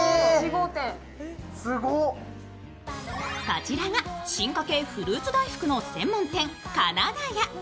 こちらが、進化系フルーツ大福の専門店、金田屋。